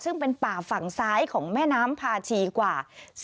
ซึ่งเป็นป่าฝั่งซ้ายของแม่น้ำพาชีกว่า